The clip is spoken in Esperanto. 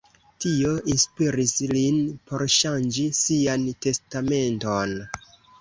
Tio inspiris lin por ŝanĝi sian testamenton.